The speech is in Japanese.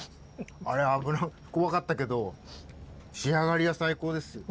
あれ怖かったけど仕上がりは最高です。